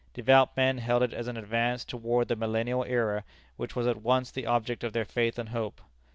Devout men held it as an advance toward that millennial era which was at once the object of their faith and hope.